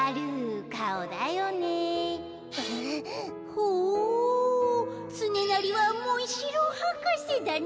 ほうつねなりはモンシローはかせだね。